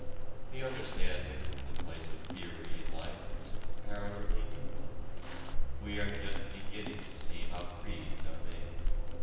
The understanding of the place of theory in life is a comparatively new one. We are just beginning to see how creeds are made.